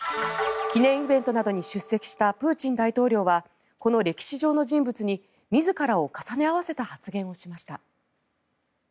記念イベントなどに出席したプーチン大統領はこの歴史上の人物に自らを重ね合わせた発言をしました。